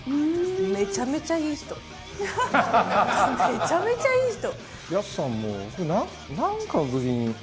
めちゃめちゃいい人。